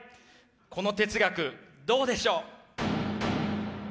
この哲学どうでしょう？